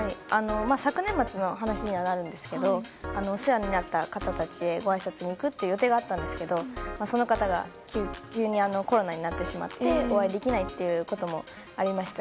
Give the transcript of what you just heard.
昨年末の話ですがお世話になった方たちへごあいさつへ行く予定があったんですがその方が急にコロナになってしまってお会いできないということもありました